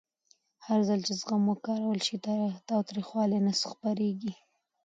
هرځل چې زغم وکارول شي، تاوتریخوالی نه خپرېږي.